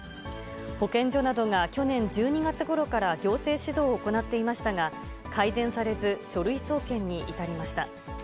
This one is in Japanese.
保健所などが去年１２月ごろから行政指導を行っていましたが、改善されず、書類送検に至りました。